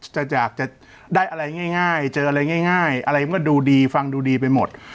จะอยากจะได้อะไรง่ายเจออะไรง่ายอะไรมันก็ดูดีฟังดูดีไปหมด